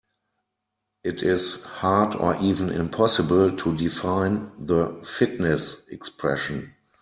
It is hard or even impossible to define the fitness expression.